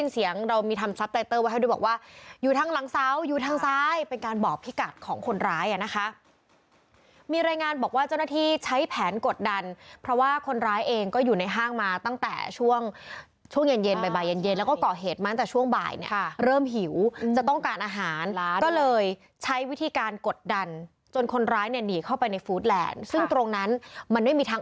สาวอยู่ทางซ้ายเป็นการบอกพิกัดของคนร้ายอ่ะนะคะมีรายงานบอกว่าเจ้าหน้าที่ใช้แผนกดดันเพราะว่าคนร้ายเองก็อยู่ในห้างมาตั้งแต่ช่วงช่วงเย็นเย็นบ่ายบ่ายเย็นเย็นแล้วก็เกาะเหตุมั้นแต่ช่วงบ่ายเนี้ยค่ะเริ่มหิวจะต้องการอาหารก็เลยใช้วิธีการกดดันจนคนร้ายเนี้ยหนีเข้าไปในฟูดแหลนซึ่งตรงนั้นม